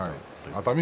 熱海